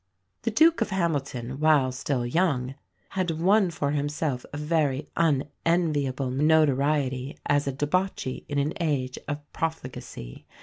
The Duke of Hamilton, while still young, had won for himself a very unenviable notoriety as a debauchee in an age of profligacy.